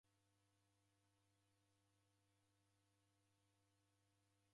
Kifula nguw'o niko sherehe iko